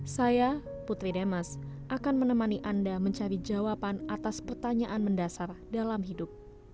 saya putri demas akan menemani anda mencari jawaban atas pertanyaan mendasar dalam hidup